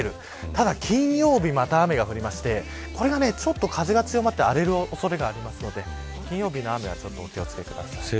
ただ金曜日、また雨が降りましてちょっと風が強まって荒れるおそれがありますので金曜日の雨はちょっとお気を付けください。